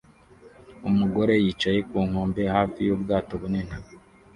Umugore yicaye ku nkombe hafi yubwato bunini